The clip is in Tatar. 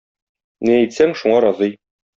Ни әйтсәң, шуңа разый.